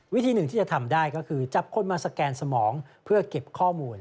วิธีหนึ่งที่จะทำได้ก็คือจับคนมาสแกนสมองเพื่อเก็บข้อมูล